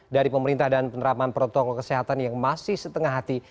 dari pemerintah dan penerapan protokol kesehatan yang masih setengah hati